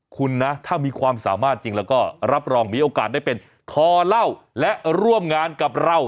คุณนะถ้ามีความสามารถจริงแล้วก็รับรองมีโอกาสได้เป็นคอเล่าและร่วมงานกับเรา